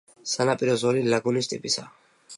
სანაპირო ზოლი ლაგუნის ტიპისაა.